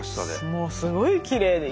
もうすごいきれいで。